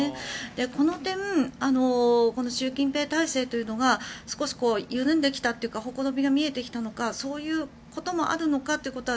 この点、習近平体制が少し緩んできたというかほころびが見えてきたのかそういうこともあるのかということは